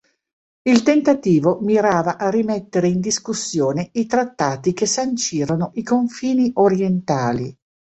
Il tentativo mirava a rimettere in discussione i trattati che sancirono i confini orientali.